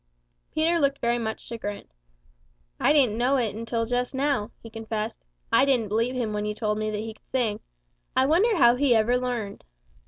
Peter looked very much chagrined. "I didn't know it until just how," he confessed. "I didn't believe him when he told me that he could sing. I wonder how he ever learned."